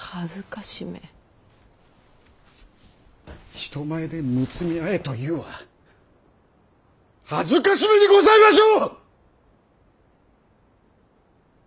人前でむつみ合えというは辱めにございましょう！